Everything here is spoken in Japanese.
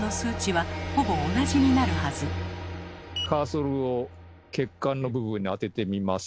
カーソルを血管の部分に当ててみます。